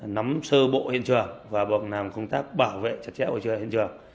nắm sơ bộ hiện trường và bộng nằm công tác bảo vệ trật chẽ hỗ trợ hiện trường